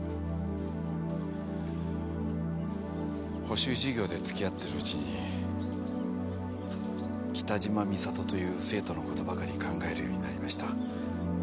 補習授業で付き合ってるうちに喜多嶋美里という生徒の事ばかり考えるようになりました。